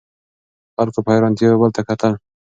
خلکو په حیرانتیا یو بل ته کتل.